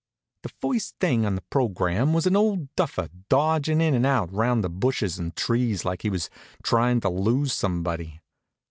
The first thing on the program was an old duffer dodgin' in and out around the bushes and trees like he was tryin' to lose somebody.